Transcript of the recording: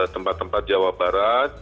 tempat tempat jawa barat